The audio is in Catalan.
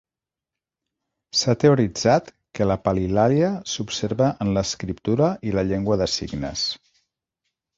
S'ha teoritzat que la palilàlia s'observa en l'escriptura i la llengua de signes.